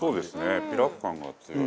齊藤：ピラフ感が強い。